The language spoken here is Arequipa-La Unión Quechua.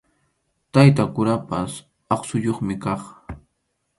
Tayta kurapas aqsuyuqmi kaq.